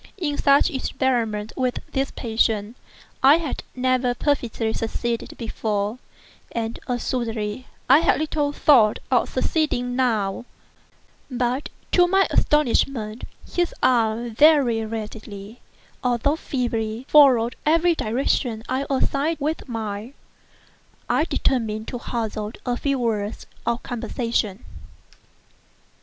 In such experiments with this patient, I had never perfectly succeeded before, and assuredly I had little thought of succeeding now; but to my astonishment, his arm very readily, although feebly, followed every direction I assigned it with mine. I determined to hazard a few words of conversation.